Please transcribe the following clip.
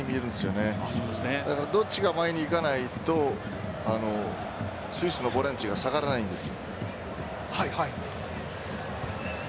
どっちかが前に行かないとスイスのボランチが下がらないんです。